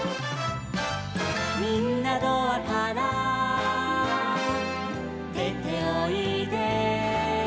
「みんなドアからでておいで」